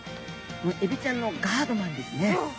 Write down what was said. もうエビちゃんのガードマンですね。